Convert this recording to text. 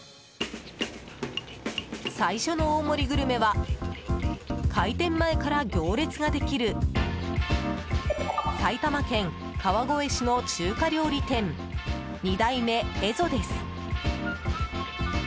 最初の大盛りグルメは開店前から行列ができる埼玉県川越市の中華料理店二代目蝦夷です。